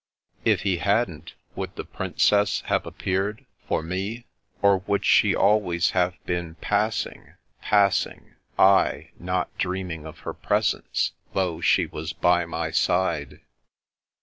" If he hadn't, would the Princess have appeared — for me? Or would she always have been pass ing — ^passing — ^I not dreaming of her presence, though she was by my side?